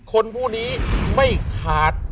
คนพวกนี้ไม่ขาด